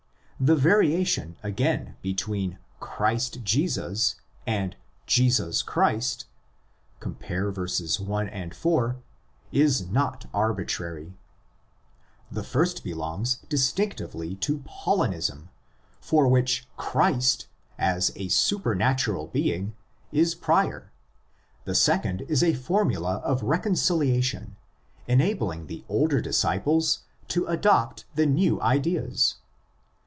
The variation, again, between '' Christ Jesus'' and "' Jesus Christ '' (compare verses 1 and 4) is not arbitrary. 110 THE EPISTLE TO THE ROMANS The first belongs distinctively to Paulinism,' for which Christ, as ἃ supernatural being, is prior; the second is a formula of reconciliation enabling the older disciples to adopt the new ideas.